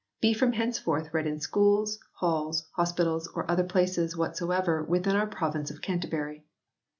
be from henceforth read in schools, halls, hospitals or other places whatsoever, within our province of Canterbury."